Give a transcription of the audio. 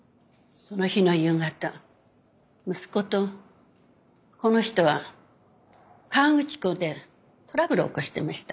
その日の夕方息子とこの人は河口湖でトラブルを起こしてました。